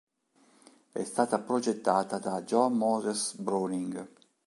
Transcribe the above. È stata progettata da John Moses Browning.